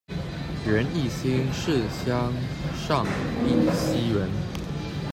袁翼新市乡上碧溪人。